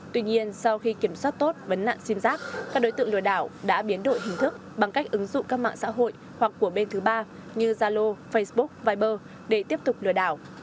tuy nhiên sau khi kiểm soát tốt vấn nạn sim giác các đối tượng lừa đảo đã biến đổi hình thức bằng cách ứng dụng các mạng xã hội hoặc của bên thứ ba như zalo facebook viber để tiếp tục lừa đảo